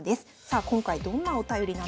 今回どんなお便りなんでしょうか。